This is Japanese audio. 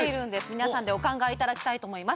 皆さんでお考えいただきたいと思います